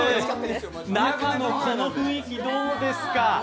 中のこの雰囲気どうですか。